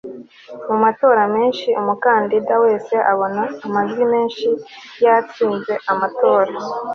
Mu matora menshi umukandida wese abona amajwi menshi yatsinze amatora